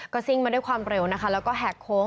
ซิ่งมาด้วยความเร็วนะคะแล้วก็แหกโค้ง